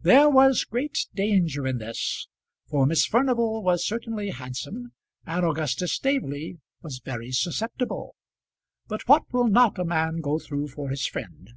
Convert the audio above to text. There was great danger in this, for Miss Furnival was certainly handsome, and Augustus Staveley was very susceptible. But what will not a man go through for his friend?